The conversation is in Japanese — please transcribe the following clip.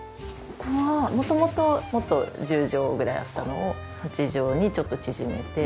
ここは元々もっと１０畳ぐらいあったのを８畳にちょっと縮めて。